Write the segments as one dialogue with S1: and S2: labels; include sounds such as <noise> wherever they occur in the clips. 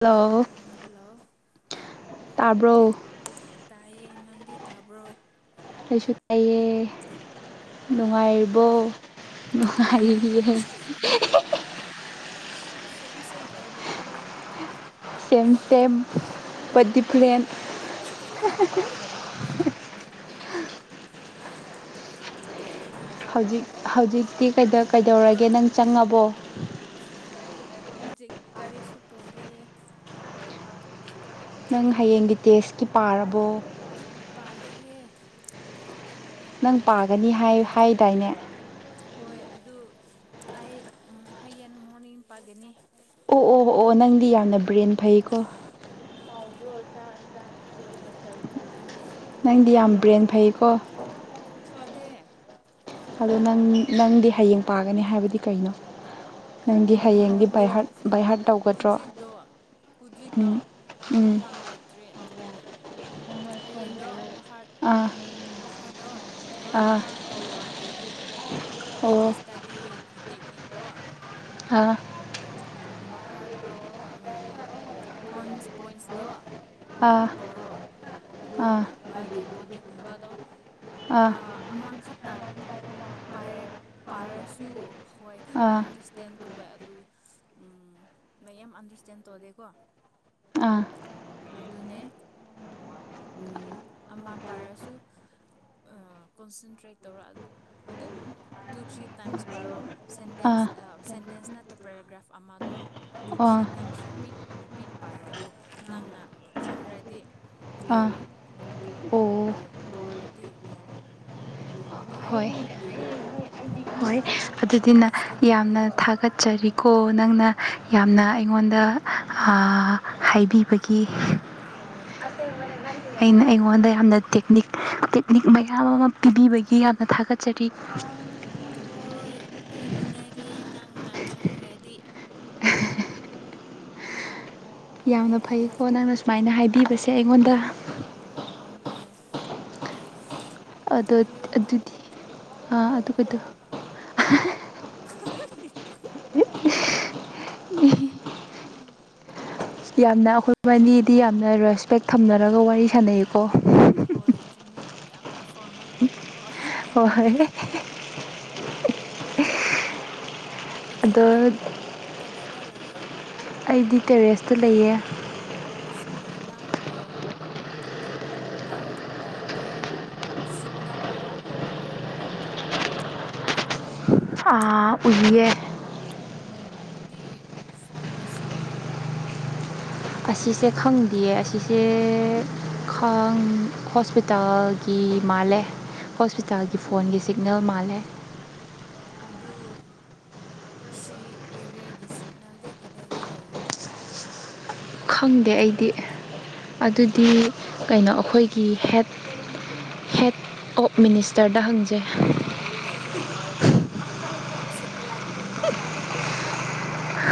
S1: hello
S2: ꯎꯝ hello
S1: ꯇꯥꯕ꯭ꯔꯣ
S2: ꯑꯦ ꯏꯅꯥꯗꯤ ꯇꯥꯕ꯭ꯔꯣ
S1: ꯁꯨ ꯇꯥꯏꯌꯦ ꯅꯨꯡꯉꯥꯏꯔꯤꯕꯣ
S2: ꯅꯨꯡꯉꯥꯏꯔꯤꯕ꯭ꯔꯣ ꯅꯨꯡꯉꯥꯏꯔꯤ
S1: ꯅꯨꯡꯉꯥꯏꯔꯤꯌꯦ <unintelligible>
S2: ꯁꯦꯟ ꯁꯦꯟ ꯑꯣꯔꯀꯣ
S1: ꯁꯦꯝꯝ ꯁꯦꯝꯦꯝ ꯗꯤ ꯐ꯭ꯔꯦꯟ <unintelligible>
S2: ꯗꯤꯐꯦꯂꯦꯟ ꯊꯨꯄ
S1: ꯍꯧꯖꯤꯛ ꯍꯧꯖꯤꯛꯇꯤ ꯀꯩꯗꯧꯔꯒꯦ ꯅꯪ ꯆꯪꯉꯕꯣ
S2: ꯍꯧꯖꯤꯛ ꯒꯥꯔꯤꯁꯨ ꯇꯣꯗꯦ
S1: ꯅꯪ ꯍꯌꯦꯡꯒꯤ ꯇꯦꯁꯀꯤ ꯄꯥꯔꯕꯣ
S2: ꯄꯥꯗꯍꯦ
S1: ꯅꯪ ꯄꯥꯒꯅꯤ ꯍꯥꯏꯗꯥꯏꯅꯦ
S2: ꯍꯣꯏ ꯑꯗꯨ ꯑꯩ ꯍꯌꯦꯡ ꯃꯣꯔꯅꯤꯡ ꯄꯥꯒꯅꯤ
S1: ꯑꯣ ꯑꯣ ꯑꯣꯑꯣ ꯅꯪꯗꯤ ꯌꯥꯝꯅ ꯕ꯭ꯔꯦꯟ ꯐꯩꯀꯣ ꯅꯪꯗꯤ ꯌꯥꯝ ꯕ꯭ꯔꯦꯟ ꯐꯩꯀꯣ
S2: ꯐꯗꯦ
S1: ꯑꯗꯣ ꯅꯪ ꯅꯪꯗꯤ ꯍꯌꯦꯡ ꯄꯥꯒꯅꯤ ꯍꯥꯏꯕꯗꯤ ꯀꯩꯅꯣ ꯅꯪꯒꯤ
S2: ꯑꯗꯨ
S1: ꯍꯌꯦꯡꯗꯤ ꯕꯥꯏꯍꯔꯠ ꯕꯥꯏꯍꯔꯠ ꯇꯧꯒꯗ꯭ꯔꯣ
S2: ꯍꯧꯖꯤꯛꯇꯣ
S1: ꯎꯝ ꯎꯝ
S2: ꯃꯐꯝ ꯂꯩꯇ꯭ꯔꯦ ꯑꯗꯨꯅꯦ ꯍꯌꯦꯡꯗꯣ ꯕꯥꯍꯥꯔ
S1: ꯑꯥ
S2: ꯕꯥꯍꯥꯔꯗꯣ
S1: ꯑꯥ
S2: ꯂꯣꯏꯅꯃꯛ ꯇꯧꯔꯣꯏ ꯑꯩꯗꯤ ꯑꯩ
S1: ꯑꯣ
S2: ꯒꯤꯁꯇꯗꯤ ꯒꯤ ꯇꯦꯛꯦꯛꯅꯤꯛꯗ
S1: ꯑꯥ
S2: ꯍꯔꯇꯣ ꯄꯣꯏꯟꯁ ꯄꯣꯏꯟꯁꯗ
S1: ꯑꯥ
S2: ꯚꯥꯠ ꯇꯧꯔꯣ ꯑꯗꯨ
S1: ꯑꯥ
S2: ꯃꯥꯒꯤ ꯕꯣꯗꯤꯒꯨꯝꯕꯗꯣ
S1: ꯑꯥ
S2: ꯑ ꯑꯃꯈꯛꯇ ꯄꯥꯔꯁꯨ ꯍꯣꯏ ꯈꯔ
S1: ꯑꯥ
S2: ꯑꯟꯗꯔꯁꯇꯦꯟ ꯇꯧꯋꯦ ꯑꯗꯨ ꯎꯝ ꯃ ꯌꯥꯝ ꯑꯟꯗꯔꯁꯇꯦꯟ ꯇꯧꯗꯦꯀꯣ ꯑꯗꯨꯅꯦ ꯑꯃ ꯄꯥꯥꯏꯔꯁꯨ ꯀꯣꯟꯁꯦꯟꯇ꯭ꯔꯦꯠ ꯇꯧꯔꯒ ꯑꯗꯨ ꯑꯗꯨꯝ ꯇꯨ ꯊ꯭ꯔꯤ ꯇꯥꯏꯝꯁ ꯄꯥꯔꯣ
S1: ꯑꯥ ꯑꯥ
S2: ꯁꯦꯟꯇꯦꯟꯁ
S1: ꯑꯣ
S2: ꯁꯦꯟꯇꯦꯟꯁ ꯅꯠꯇꯦ ꯄꯦꯔꯥꯒ꯭ꯔꯥꯐ ꯑꯃꯗꯣ ꯇꯨ
S1: ꯑꯥ
S2: ꯊ꯭ꯔꯤ ꯇꯥꯏꯝꯁ ꯔꯤꯄꯤꯠ ꯔꯤꯄꯤꯠ ꯄꯥꯔꯣ ꯑꯗꯨ ꯅꯪꯅ ꯈꯟꯗ꯭ꯔꯗꯤ ꯌꯥꯔꯦ ꯑꯗꯨ ꯚꯔ
S1: ꯑꯣ
S2: ꯇꯧꯔꯗꯤ ꯌꯥꯔꯦ ꯑꯗꯨ ꯑꯗꯨꯝ
S1: ꯍꯣꯏ
S2: ꯏꯔꯣ
S1: ꯑꯗꯨꯗꯨꯅ
S2: ꯅꯁꯥꯒꯤ
S1: ꯌꯥꯝꯅ
S2: ꯑꯣꯟꯀꯣ
S1: ꯊꯥꯒꯠꯆꯔꯤꯀꯣ ꯅꯪꯅ ꯌꯥꯝꯅ
S2: ꯍꯣꯏ
S1: ꯑꯩꯉꯣꯟꯗ ꯍꯥꯏꯕꯤꯕꯒꯤ
S2: ꯍꯣꯏ
S1: ꯑꯩꯅ
S2: ꯍꯣꯏ
S1: ꯑꯩꯉꯣꯟꯗ
S2: ꯍꯣꯏ
S1: ꯌꯥꯝꯅ ꯇꯦꯛꯅꯤꯛ ꯇꯦꯛꯅꯤꯛ ꯃꯌꯥꯝ ꯑꯃ ꯄꯤꯕꯤꯕꯒꯤ ꯌꯥꯝꯅ ꯊꯥꯒꯠꯆꯔꯤ
S2: ꯍꯣꯏ ꯑꯩ ꯅꯨꯡꯉꯥꯏꯔꯦ ꯅꯪꯅ ꯈꯪꯈ꯭ꯔꯗꯤ
S1: ꯌꯥꯝꯅ ꯐꯩꯀꯣ ꯅꯪꯅ ꯁꯨꯃꯥꯏꯅ ꯍꯥꯏꯕꯤꯕꯁꯦ ꯑꯩꯉꯣꯟꯗ
S2: ꯍꯣꯏ ꯍꯣꯏ ꯑꯗꯨ
S1: ꯑꯗꯨꯗꯤ
S2: ꯅꯪ ꯍꯣꯏ
S1: ꯑꯗꯨꯒꯗꯣ
S2: ꯍꯥꯏꯔꯛꯑꯣ <unintelligible>
S1: ꯌꯥꯝꯅ ꯑꯩꯈꯣꯏ ꯑꯅꯤꯗꯤ ꯌꯥꯝꯅ ꯔꯦꯁꯄꯦꯛ ꯊꯝꯅꯔꯒ ꯋꯥꯔꯤ ꯁꯥꯟꯅꯩ
S2: ꯍꯣꯏ ꯆꯨꯝꯃꯦ ꯌꯥꯝꯅ ꯐꯣꯔꯃꯦꯜ ꯑꯣꯏꯔꯦ
S1: ꯍ ꯍꯣꯏ ꯑꯗꯣ
S2: ꯍꯧꯖꯤꯛꯅꯅꯥꯎ ꯀꯗꯥꯏꯗ ꯂꯩ
S1: ꯑꯩꯗꯤ ꯇꯦꯔꯦꯁꯇ ꯂꯩꯌꯦ
S2: ꯑꯣ ꯑꯩꯁꯨꯅꯦ ꯅꯪ ꯅꯪ ꯀꯔꯤ ꯁꯤꯛꯅꯦꯜ ꯑꯃ ꯎꯕ꯭ꯔꯣ ꯔꯦꯠ ꯀꯂꯔꯅꯦ
S1: ꯑ ꯎꯜꯌꯦ
S2: ꯍꯣꯏ ꯑꯗꯨꯗꯤ ꯐꯣꯟꯒꯤ ꯁꯤꯒꯅꯦꯜꯔ
S1: ꯑꯁꯤꯁꯦ ꯈꯪꯗꯦꯌꯦ ꯑꯁꯤꯁꯦ ꯈꯥꯡ ꯍꯣꯁꯄꯤꯇꯥꯜꯒꯤ ꯃꯥꯜꯂꯦ ꯍꯣꯁꯄꯤꯇꯥꯜꯒꯤ ꯐꯣꯟꯒꯤ ꯁꯤꯒꯅꯦꯜ ꯃꯥꯜꯂꯦ
S2: ꯑꯗꯨ ꯁꯤ ꯑꯦꯔꯤꯌꯥꯒꯤ ꯁꯤꯒꯅꯦꯜꯗꯤ ꯀꯗꯥꯏꯗ ꯂꯩꯑꯦ
S1: ꯈꯪꯗꯦ ꯑꯩꯗꯤ ꯑꯗꯨꯗꯤ ꯀꯩꯅꯣ ꯑꯩꯈꯣꯏꯒꯤ ꯍꯦꯠ ꯍꯦꯠ ꯑꯣꯞ ꯃꯤꯅꯤꯁꯇꯔꯗ ꯍꯪꯖꯩ
S2: ꯅꯪꯃꯦ ꯁꯇꯂꯥꯏꯠ ꯨꯝꯕꯥ ꯃꯥꯂꯦꯀꯣ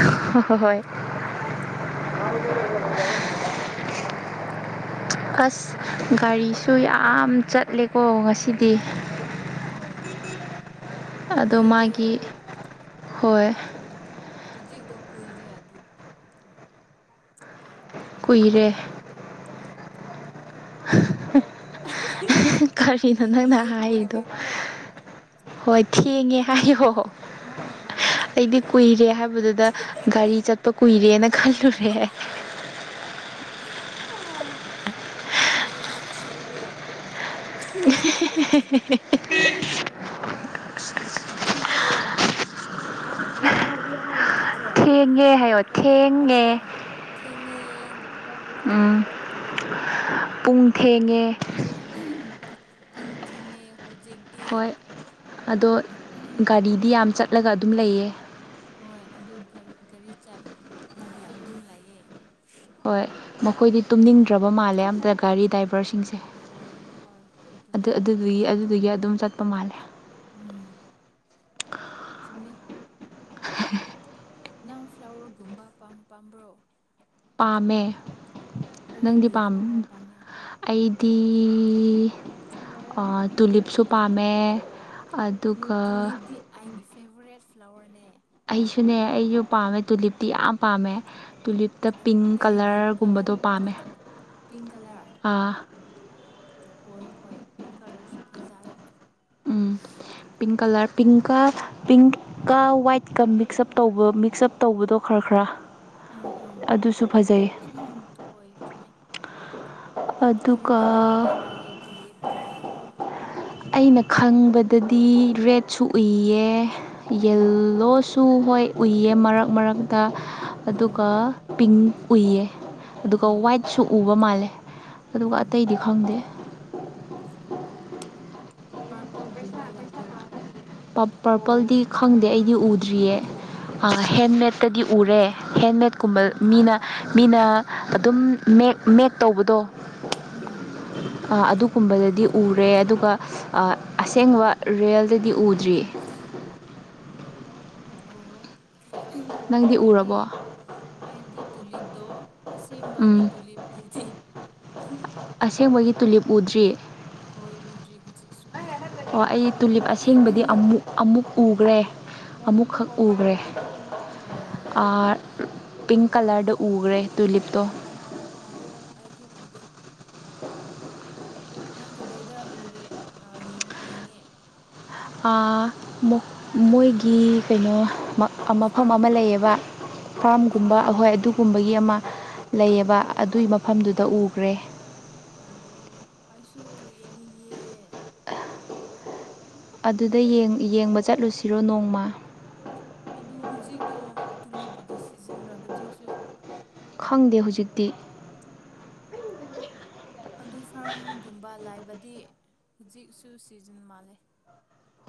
S1: ꯍꯣꯏ ꯑꯁ ꯒꯥꯔꯤꯁꯨ ꯌꯥꯝ ꯆꯠꯂꯦꯀꯣ ꯉꯁꯤꯗꯤ
S2: ꯍꯣꯏ ꯍꯣꯏ
S1: ꯑꯗꯣ
S2: ꯀꯨꯏꯔꯦ
S1: ꯃꯥꯒꯤ ꯍꯣꯏ
S2: ꯍꯧꯖꯤꯛꯛꯇꯣ ꯀꯨꯏꯔꯦ ꯑꯗꯨ
S1: ꯀꯨꯏꯔꯦ
S2: ꯈꯟꯗꯦ ꯍꯣꯏ
S1: ꯀꯔꯤꯅꯣ ꯅꯪꯅ
S2: ꯂꯦꯠ
S1: ꯍꯥꯏꯔꯤꯗꯣ
S2: ꯑꯣꯏꯔꯦꯀꯣ
S1: ꯍꯣꯏ ꯌꯦꯡꯉꯦ ꯍꯥꯏ ꯍꯣꯍꯣ
S2: ꯍꯣꯏ ꯍꯣꯏ
S1: ꯑꯩꯗꯤ
S2: ꯊꯤꯡꯉꯦ
S1: ꯀꯨꯏꯔꯦ ꯍꯥꯏꯕꯗꯨꯗ ꯒꯥꯔꯤ ꯆꯠꯄ ꯀꯨꯏꯔꯦꯅ ꯈꯜꯂꯨꯔꯦ <inaudible>
S2: ꯑꯗꯨꯅ ꯊꯤꯔꯦ
S1: <inaudible>
S2: ꯊꯤꯡꯔꯦ ꯅꯠꯇ꯭ꯔꯣ
S1: ꯊꯦꯡꯉꯦ ꯍꯥꯏꯌꯣ ꯊꯦꯡꯉꯦ
S2: ꯄꯦ
S1: ꯎꯝ ꯄꯨꯡ ꯊꯦꯡꯉꯦ
S2: ꯄꯨꯡ ꯊꯤꯡꯉꯩ
S1: ꯍꯣꯏ ꯑꯗꯣ ꯒꯥꯔꯤꯗꯤ ꯌꯥꯝ ꯆꯠꯂꯒ ꯑꯗꯨꯝ ꯂꯩꯌꯦ
S2: ꯍꯣꯏ ꯑꯗꯨ ꯒꯥꯔꯤ ꯆꯠꯂꯒ ꯑꯗꯨꯝ ꯂꯩꯥꯛꯑꯦ
S1: ꯍꯣꯏ ꯃꯈꯣꯏꯗꯤ ꯇꯨꯝꯅꯤꯡꯗ꯭ꯔꯕ ꯃꯥꯜꯂꯦ ꯑꯝꯇ ꯒꯥꯔꯤ ꯗ꯭ꯔꯥꯏꯚꯔꯁꯤꯡꯁꯦ
S2: ꯍꯣꯏ ꯍꯣꯏ
S1: ꯑꯗꯨ
S2: ꯑꯗꯨꯅꯦ
S1: ꯑꯗꯨꯗꯨꯒꯤ ꯑꯗꯨꯗꯨꯒꯤ ꯑꯗꯨꯝ ꯆꯠꯄ ꯃꯥꯜꯂꯦ
S2: ꯎꯝ ꯆꯨꯝꯃꯦ ꯅꯪ ꯐ꯭ꯂꯥꯋꯔꯒꯨꯝꯕ ꯄꯥꯝꯕ꯭ꯔꯣ
S1: ꯄꯥꯝꯃꯦ ꯅꯪꯗꯤ
S2: ꯀꯔꯤꯒꯤ
S1: ꯄꯥꯝ
S2: ꯐ꯭ꯂꯥꯋꯔ ꯄꯥꯝꯃꯦ
S1: ꯑꯩ ꯇꯤ ꯇꯨꯂꯤꯞꯁꯨ ꯄꯥꯝꯃꯦ ꯑꯗꯨꯒ
S2: ꯐꯦꯕꯣꯔꯦꯠ ꯐ꯭ꯂꯋꯔꯅꯦ
S1: ꯑꯩꯁꯨꯅꯦ ꯑꯩꯁꯨ ꯄꯥꯝꯃꯦ ꯇꯨꯂꯤꯞꯇꯤ ꯌꯥꯝ ꯄꯥꯝꯃꯦ ꯇꯨꯂꯤꯞꯇ ꯄꯤꯡ
S2: ꯀꯔꯤꯒꯤ
S1: ꯀꯂꯔꯒꯨꯝꯕꯗꯣ
S2: ꯀꯂꯔ
S1: ꯄꯥꯝꯃꯦ
S2: ꯄꯤꯡ ꯀꯂꯔ ꯍꯣꯏ ꯍꯣꯏ ꯄꯤꯡ ꯀꯂꯔꯁꯨ ꯐꯖꯥꯏ
S1: ꯎꯝ ꯄꯤꯡ ꯀꯂꯔ ꯄꯤꯡꯀ ꯄꯤꯡꯀ ꯋꯥꯏꯠꯀ ꯃꯤꯛꯁ ꯑꯞ ꯇꯧꯕ ꯃꯤꯛꯁꯑꯞ ꯇꯧꯕꯗꯣ ꯈꯔ <inaudible>
S2: ꯎꯝ ꯎꯝ ꯍꯣꯏ ꯆꯨꯝꯃꯦ ꯀꯔꯤ
S1: ꯑꯗꯨꯒ
S2: ꯀꯔꯤ ꯀꯂꯔ ꯂꯥꯛꯑ ꯇꯨꯂꯤꯞꯗꯣ
S1: ꯑꯩꯅ ꯈꯪꯕꯗꯗꯤ ꯔꯦꯠꯁꯨ ꯎꯏꯌꯦ
S2: ꯎꯝ
S1: ꯌꯦꯜꯂꯣꯁꯨ ꯍꯣꯏ ꯎꯏꯌꯦ ꯃꯔꯛ ꯃꯔꯛꯇ
S2: ꯎꯝ
S1: ꯑꯗꯨꯒ ꯄꯤꯡ ꯎꯏꯌꯦ ꯑꯗꯨꯒ
S2: ꯎꯝ
S1: ꯋꯥꯏꯠꯁꯨ ꯎꯕ ꯃꯥꯜꯂꯦ ꯑꯗꯨꯒ
S2: ꯎꯝ
S1: ꯑꯇꯩꯗꯤ ꯈꯪꯗꯦ
S2: ꯄꯥꯔꯄꯜꯒꯨꯝꯕ ꯂꯩꯕ꯭ꯔꯣ
S1: ꯄꯔꯄꯜꯗꯤ ꯈꯪꯗꯦ ꯑꯩꯗꯤ ꯎꯗ꯭ꯔꯤꯌꯦ ꯍꯦꯟꯃꯦꯠꯇꯗꯤ ꯎꯔꯦ ꯍꯦꯟꯃꯦꯠꯀꯨꯝꯕ ꯃꯤꯅ ꯃꯤꯅ ꯑꯗꯨꯝ ꯃꯦꯛ ꯃꯦꯛ ꯇꯧꯕꯗꯣ
S2: ꯎꯝ
S1: ꯑꯗꯨꯒꯨꯝꯕꯗꯗꯤ ꯎꯔꯦ ꯑꯗꯨꯒ ꯑꯁꯦꯡꯕ ꯔꯤꯌꯦꯜꯗꯗꯤ ꯎꯗ ꯊ꯭ꯔꯤ
S2: ꯑꯣ
S1: ꯅꯪꯗꯤ
S2: ꯑꯩꯗꯤ
S1: ꯎꯔꯕꯣ
S2: ꯑꯩꯗꯤ ꯇꯨꯂꯤꯞꯗꯣ
S1: ꯎꯝ
S2: ꯑꯁꯦꯡꯕꯒꯤꯇꯨꯂꯤ ꯎꯗꯦ
S1: ꯑꯁꯦꯡꯕꯒꯤ ꯇꯨꯂꯤꯞ ꯎꯗ꯭ꯔꯤ
S2: ꯍꯣꯏ ꯎꯗ꯭ꯔꯤ ꯍꯧꯖꯤꯛꯁꯨ ꯎꯗ꯭ꯔꯤ
S1: ꯑꯣ ꯑꯩ ꯇꯨꯂꯤꯞ ꯑꯁꯦꯡꯕꯗꯤ ꯑꯃꯨꯛ ꯑꯃꯨꯛ ꯎꯈ꯭ꯔꯦ ꯑꯃꯨꯛꯈꯛ ꯎꯈ꯭ꯔꯦ
S2: ꯑꯣ
S1: ꯄꯤꯡ ꯀꯂꯔꯗ ꯎꯈ꯭ꯔꯦ ꯇꯨꯂꯤꯞꯇꯣ
S2: ꯑꯗꯨ ꯎꯗꯦ ꯅꯪ ꯀꯗꯥꯏꯗ ꯎꯔꯦ ꯌꯦꯡꯉꯦ
S1: ꯃꯣꯏꯒꯤ ꯀꯩꯅꯣ ꯃꯐꯝ
S2: ꯐꯥꯔꯝ
S1: ꯑꯃ ꯂꯩꯌꯦꯕ ꯐꯥꯝꯒꯨꯝꯕ
S2: ꯐꯥꯔꯝ
S1: ꯑꯩꯈꯣꯏ ꯑꯗꯨꯒꯨꯝꯕꯒꯤ ꯑꯃ
S2: ꯑꯣ
S1: ꯂꯩꯌꯦꯕ ꯑꯗꯨꯏ ꯃꯐꯝꯗꯨꯗ ꯎꯈ꯭ꯔꯦ
S2: ꯑꯣ ꯑꯩꯁꯨ ꯌꯦꯡꯅꯤꯡꯉꯦ
S1: ꯑꯗꯨꯗ ꯌꯦꯡꯕ ꯆꯠꯂꯨꯁꯤꯔꯣ ꯅꯣꯡꯃ
S2: ꯑꯗꯨ ꯍꯧꯖꯤꯛꯇꯣ ꯇꯨꯂꯤꯞꯒꯤ ꯁꯤꯖꯤꯟꯅꯕ꯭ꯔꯥ ꯍꯧꯖꯤꯛꯁꯨ
S1: ꯈꯪꯗꯦ ꯍꯧꯖꯤꯛꯇꯤ
S2: ꯑꯗꯨ ꯐꯥꯔꯝꯒꯨꯝꯕ ꯂꯥꯏꯕꯗꯤ ꯍꯧꯖꯤꯛꯁꯨ ꯁꯤꯖꯤꯟ ꯃꯥꯜꯂꯦ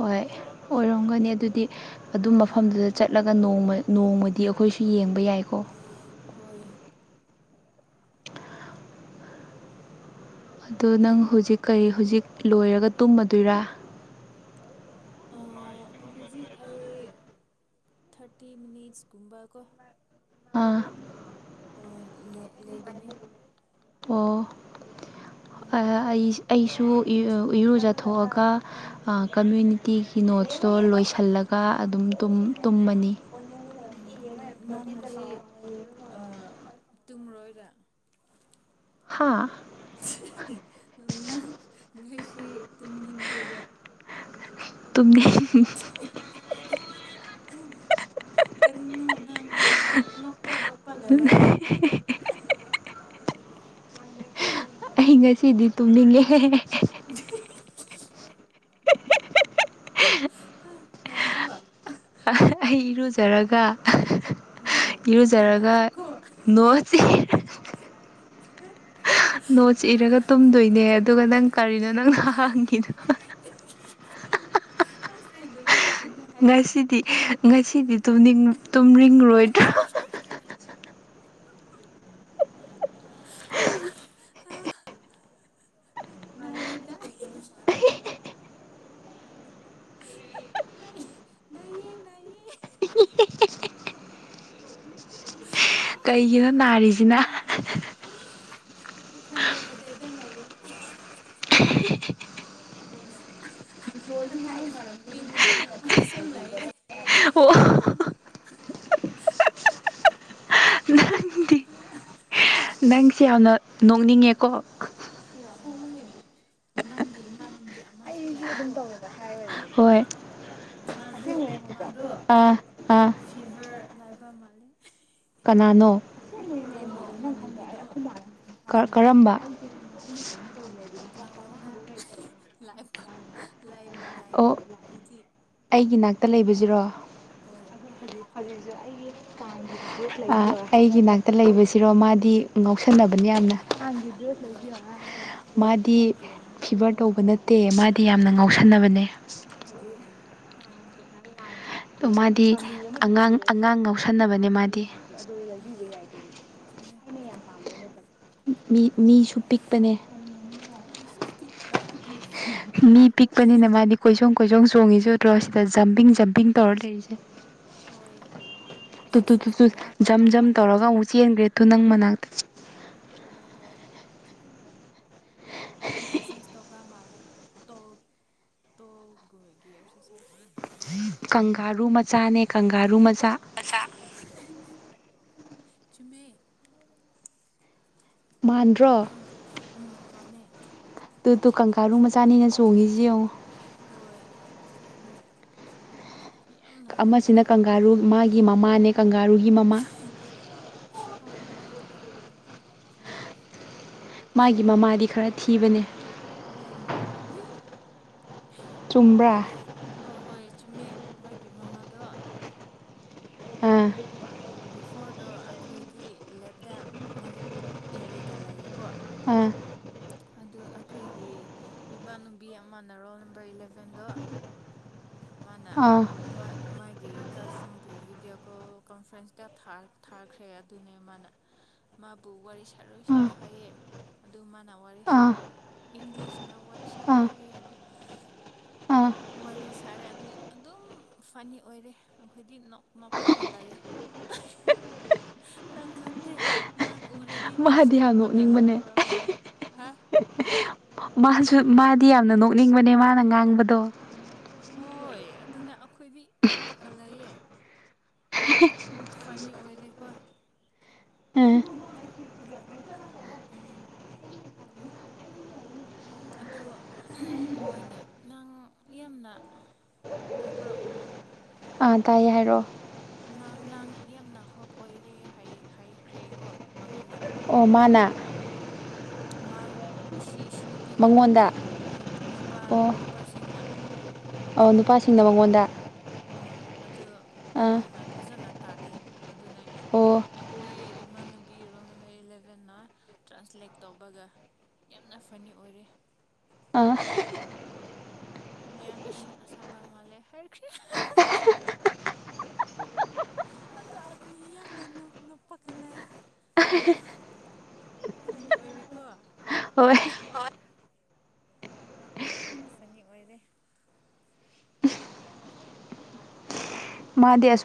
S1: ꯍꯣꯏ ꯑꯣꯏꯔꯝꯒꯅꯤ ꯑꯗꯨꯗꯤ ꯑꯗꯨꯝ ꯃꯐꯝꯗꯨꯗ ꯆꯠꯂꯒ ꯅꯣꯡꯃꯅꯤ ꯅꯣꯡꯃꯗꯤ ꯑꯩꯈꯣꯏꯁꯨ ꯌꯦꯡꯕ ꯌꯥꯏꯀꯣ
S2: ꯍꯣꯏ
S1: ꯑꯗꯣ ꯅꯪ ꯍꯧꯖꯤꯛ ꯀꯩ ꯍꯧꯖꯤꯛ ꯂꯣꯏꯔꯒ ꯇꯨꯝꯃꯗꯣꯏꯔꯥ
S2: ꯍꯧꯖꯤꯛ ꯑꯩ ꯊꯥꯔꯇꯤ ꯃꯤꯅꯤꯠꯁꯀꯨꯝꯕꯀꯣ
S1: ꯑꯥ
S2: ꯍꯣꯏ ꯂꯩꯒꯅꯤ
S1: ꯑꯣ
S2: ꯎꯝ
S1: ꯑꯩ ꯑꯩꯁꯨ ꯁꯨ ꯏꯔꯨꯖꯊꯣꯛꯑꯒ ꯀꯝꯃ꯭ꯌꯨꯅꯤꯇꯤꯒꯤ ꯅꯣꯠꯁꯇꯣ ꯂꯣꯏꯁꯤꯜꯂꯒ ꯑꯗꯨꯝ ꯇꯨꯝꯃꯅꯤ <inaudible>
S2: ꯎꯝ ꯅꯪ ꯇꯨꯡꯃꯣꯏꯗ
S1: ꯍꯥꯥ
S2: ꯅꯪ ꯉꯁꯤ ꯇꯨꯝꯅꯤꯡꯟꯗꯕ
S1: ꯎ
S2: ꯀꯔꯤꯅꯣ ꯅꯪ ꯅꯣꯛꯄ ꯅꯣꯛꯄꯒꯂꯌꯦ
S1: ꯑꯩ ꯉꯁꯤꯗꯤ ꯇꯨꯝꯅꯤꯡꯉꯦ
S2: ꯑ ꯅꯪꯀꯣꯋꯥ
S1: ꯑꯩ ꯏꯔꯨꯖꯔꯒ
S2: ꯍꯣꯏ ꯅꯪ
S1: ꯏꯔꯨꯖꯔꯒ
S2: ꯍꯦꯃꯜꯂꯦꯀꯣ
S1: ꯅꯣꯠꯁꯤ
S2: ꯍ
S1: ꯅꯣꯠꯁ ꯏꯔꯒ ꯇꯨꯝꯗꯣꯏꯅꯦ ꯑꯗꯨꯒ ꯅꯪ ꯀꯔꯤꯅꯣ
S2: ꯑꯣ
S1: ꯅꯪꯅ ꯍꯥꯡꯈꯤꯅꯣ <inaudible>
S2: ꯍꯥꯏꯒꯅ ꯍꯥꯏ
S1: ꯉꯁꯤꯗꯤ ꯉꯁꯤꯗꯤꯅꯤꯡ ꯇꯨꯝꯅꯤꯡꯔꯣꯏꯗ꯭ꯔꯣ <inaudible>
S2: ꯑ ꯌꯦ ꯇꯥꯏ ꯌꯦ
S1: ꯀꯩꯒꯤꯅꯣ ꯅꯥꯔꯤꯁꯤꯅ
S2: ꯈꯟꯗꯗꯗ ꯂꯥꯏꯌꯦ
S1: ꯣꯏꯒꯤ
S2: ꯑꯗꯨ
S1: ꯃꯔ ꯑꯣ
S2: ꯃꯤ ꯅꯨꯄꯤ ꯑꯃꯁꯨ ꯂꯩꯌꯦ ꯑ
S1: ꯅꯣꯡꯅꯤꯡꯉꯦꯀꯣ
S2: ꯍꯣꯏ ꯅꯪꯒꯤ ꯏꯃꯥꯟꯅꯨꯕꯤ ꯑꯃꯁꯨ ꯂꯥꯛꯏꯀꯣ
S1: ꯍꯣꯏ
S2: ꯃꯥꯗꯨ ꯃꯥꯗꯣ
S1: ꯑꯥ ꯑꯥ
S2: ꯐꯤꯚꯔ ꯂꯥꯏꯕ ꯃꯥꯂ
S1: ꯀꯅꯥꯅꯣ
S2: ꯅꯪꯒꯤ ꯏꯃꯥꯟꯅꯨꯕꯤꯗꯣ
S1: ꯀꯔꯝꯕ
S2: ꯅꯪꯉꯣꯟꯗ ꯂꯥꯏ ꯂꯥꯏ
S1: ꯑꯣ
S2: ꯂꯥꯏꯔꯛ ꯍꯧꯖꯤꯛ
S1: ꯑꯩꯒꯤ ꯅꯥꯛꯇ ꯂꯩꯕꯁꯤꯔꯣ
S2: ꯍꯣꯏ
S1: ꯑꯩꯒꯤ ꯅꯥꯛꯇ ꯂꯩꯕꯁꯤꯔꯣ ꯃꯥꯗꯤ ꯉꯥꯎꯁꯟꯅꯕꯅꯤ ꯌꯥꯝꯅ ꯍꯗ
S2: ꯍꯣꯏ
S1: ꯀ ꯃꯥꯗꯤ ꯐꯤꯕꯔ ꯇꯧꯕ ꯅꯠꯇꯦ ꯃꯥꯗꯤ ꯌꯥꯝꯅ ꯉꯥꯎꯁꯟꯅꯕꯅꯦ
S2: ꯑꯣ
S1: ꯑ ꯃꯥꯗꯤ ꯑꯉꯥꯡ ꯑꯉꯥꯡ ꯉꯧꯁꯟꯅꯕꯅꯦ ꯃꯥꯗꯤ
S2: ꯍꯣꯏ ꯆꯃꯦ
S1: ꯃꯤꯁꯨ ꯄꯤꯛꯄꯅꯦ
S2: ꯃꯤꯁꯨ ꯄꯤꯛꯄ ꯑꯗꯨ ꯐꯦꯠ
S1: ꯃꯤ
S2: ꯑꯣꯏꯔꯅꯤꯀꯣ
S1: ꯄꯤꯛꯄꯅꯤꯅ ꯃꯥꯗꯤ ꯀꯣꯏꯁꯣꯡ ꯀꯣꯏꯁꯣꯡ ꯆꯣꯡꯉꯤꯁꯨꯨꯠꯇ꯭ꯔꯣ ꯁꯤꯗ ꯖꯝꯄꯤꯡ ꯖꯝꯄꯤꯡ ꯇꯧꯔ ꯂꯩꯔꯤꯁꯦ
S2: ꯍꯣꯏ
S1: ꯇꯨ ꯇꯨ ꯇꯨ ꯇꯨ
S2: ꯑꯦꯛꯁꯔꯁꯥꯏꯁꯒꯨꯝꯕ
S1: ꯖꯝ
S2: ꯇꯧꯕ
S1: ꯖꯝ
S2: ꯃꯥꯜꯂꯦ
S1: ꯇꯧꯔꯒ ꯑꯃꯨꯛ ꯆꯦꯟꯈ꯭ꯔꯦ ꯇꯨ ꯅꯪ ꯑ
S2: ꯍꯣꯏ ꯍꯣꯏ ꯑꯁꯁ ꯇꯧꯕꯕ ꯃꯜꯩ ꯇꯣ ꯇꯣꯔꯁꯁ
S1: ꯀꯪꯂꯪꯒꯥꯔꯨ ꯃꯆꯥꯅꯦ ꯀꯪꯂꯪꯒꯥꯔꯨ ꯃꯆꯥ
S2: ꯆꯖꯃꯦ
S1: ꯃꯥꯟꯗ꯭ꯔꯣ
S2: ꯎꯝ ꯃꯥꯅꯦ
S1: ꯑꯗꯨ ꯇ ꯀꯪꯀꯥꯔꯨ ꯆꯥꯅꯤꯅ ꯆꯣꯡꯉꯁꯤ ꯌꯦꯡꯉꯨ
S2: ꯍꯣꯏ ꯏꯦꯝꯍꯨ
S1: ꯑꯃꯁꯤꯅ ꯀꯪꯂꯒꯥꯔꯨ ꯃꯥꯒꯤ ꯃꯃꯥꯅꯦ ꯀꯪꯂꯪꯒꯥꯔꯨꯒꯤ ꯃꯃꯥ
S2: ꯍꯣꯏ ꯃꯥꯒꯤ ꯃꯃꯥꯅꯦ ꯆꯅꯦ
S1: ꯃꯥꯒꯤ ꯃꯃꯥꯗꯤ ꯈꯔ ꯊꯤꯕꯅꯦ
S2: ꯎꯝ
S1: ꯆꯨꯝꯕ꯭ꯔꯥ
S2: ꯑꯗꯨ ꯑ ꯍꯣꯏ ꯆꯨꯝꯃꯦ ꯃꯥꯒꯤ ꯃꯃꯥꯗꯣ
S1: ꯑ
S2: ꯕꯤꯐꯣꯔꯗꯣ ꯑꯩꯈꯣꯏꯗꯤ ꯂꯦꯞꯇ ꯂꯗꯥꯥꯏꯏꯔꯤꯛ ꯏꯔꯦꯒ ꯂꯌꯦꯦꯀꯣ
S1: ꯑ
S2: ꯑꯗꯨ ꯑꯩꯈꯣꯏꯒꯤ ꯅꯨꯄꯥꯅꯨꯕꯤ ꯑꯃꯅ ꯔꯣꯜ ꯅꯝꯕꯔ ꯏꯂꯚꯦꯟꯗꯣ
S1: <unintelligible>
S2: ꯃꯥꯅ
S1: ꯑꯥ
S2: ꯃꯥ ꯃꯥꯒꯤ ꯀꯖꯟꯕꯨ ꯚꯤꯗꯤꯑꯣ ꯀꯣꯜ ꯀꯟꯐ꯭ꯔꯦꯟꯁꯇ ꯊꯥꯈ꯭ꯔꯦ ꯑꯗꯨꯅꯦ ꯃꯥꯅ ꯃꯥꯕꯨ ꯋꯥꯔꯤꯔꯤ ꯁꯣꯏ ꯁꯔꯣ ꯍꯥꯏꯩ ꯑꯗꯨ ꯃꯥꯟꯅ ꯋꯥꯔꯤꯔꯤ
S1: ꯑꯥ ꯑꯥ
S2: ꯁꯥꯔꯦ ꯏꯪꯂꯤꯁꯅ ꯋꯥꯔꯤ ꯁꯥꯔꯣ
S1: ꯑꯥ
S2: ꯍꯥꯏꯌꯦ ꯑꯗꯨ
S1: ꯑꯥ
S2: ꯋꯥꯔꯤ ꯁꯥꯔꯦ ꯑꯗꯨ ꯑꯗꯨꯝ ꯐꯅꯤ ꯑꯣꯏꯔꯦ ꯑꯩꯈꯣꯏꯗꯤ ꯅꯣꯛ ꯅ ꯄ ꯀꯜꯂꯑꯦ
S1: <inaudible>
S2: ꯅꯪ ꯈꯥꯟꯗꯦ ꯅꯪ ꯎꯔꯦꯗꯤ ꯅꯪ
S1: ꯃꯥꯗꯤ
S2: ꯁꯅ
S1: ꯌꯥꯝ ꯅꯣꯛꯅꯤꯡꯕꯅꯦ
S2: ꯄꯒꯜꯂꯑꯕ ꯃꯂꯦ
S1: ꯃꯥꯁꯨ ꯃꯥꯗꯤ ꯌꯥꯝꯅ ꯅꯣꯛꯅꯤꯡꯕꯅꯦ ꯃꯥꯅ ꯉꯥꯡꯕꯗꯣ
S2: ꯍꯣꯏ ꯑꯗꯨꯅ ꯑꯩꯈꯣꯏꯗꯤ ꯅꯣꯞꯄꯛꯀ ꯂꯩꯌꯦ ꯐꯅꯤ ꯑꯣꯏꯗꯀꯣ
S1: <unintelligible>
S2: ꯑꯗꯨ ꯃꯣꯏꯅ ꯅꯪ ꯌꯥꯝꯅ ꯇꯥꯄꯔ
S1: ꯑꯥ ꯇꯥꯏꯌꯦ ꯍꯥꯏꯔꯛꯑꯣ
S2: ꯅ ꯅꯪ ꯌꯥꯝꯅ ꯍꯣꯠ ꯑꯣꯏꯔꯦ ꯍꯥꯏꯈ꯭ꯔꯦꯀꯣ ꯃꯉꯣꯟꯗ
S1: ꯑꯣꯃꯥꯅ
S2: ꯃꯥꯟ ꯍ ꯅꯨꯄꯤꯅ ꯅꯠꯇꯦ
S1: ꯃꯉꯣꯟꯗ
S2: ꯅꯨꯄꯥ
S1: ꯑꯣ
S2: ꯅꯨꯄꯥꯁꯤꯡꯅ ꯑꯗꯨ
S1: ꯑꯣ ꯅꯨꯄꯥꯁꯤꯡꯅ ꯃꯉꯣꯟꯗ
S2: ꯎꯝ ꯑꯗꯨ
S1: ꯑꯥ
S2: ꯃꯥꯅ ꯐꯖꯅ ꯇꯥꯗꯦ ꯑꯗꯨꯅꯦ
S1: ꯑꯣ
S2: ꯑꯩꯈꯣꯏ ꯏꯃꯥꯟꯅꯨꯕꯤꯔꯣꯅ ꯃꯣꯏ ꯏꯂꯚꯦꯟꯅ ꯇ꯭ꯔꯥꯟꯁꯂꯦꯠ ꯇꯧꯕꯒ ꯌꯥꯝꯅ ꯐꯅꯤ ꯑꯣꯏꯔꯦ
S1: ꯑꯥ
S2: ꯒꯦꯝ ꯏꯁꯤꯟ ꯑꯃꯁꯨꯡꯕ ꯃꯂꯩ ꯍꯔ ꯀ ꯑꯗ ꯑꯩꯈꯣꯏ ꯌꯥꯝ ꯉꯅ ꯅꯨꯄꯥꯀꯂꯥꯏ ꯑꯅꯤ ꯑꯣꯏꯔꯦꯀꯣ
S1: ꯍꯣꯏ
S2: ꯑꯗꯨ ꯑꯗꯨ ꯐꯅꯤ ꯋꯥꯔꯔ
S1: ꯃꯥꯗꯦꯁ